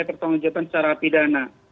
pertanggung jawaban secara pidana